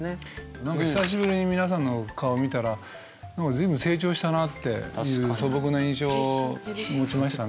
何か久しぶりに皆さんの顔見たら随分成長したなっていう素朴な印象を持ちましたね。